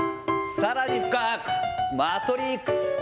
さらに深く、マトリックス。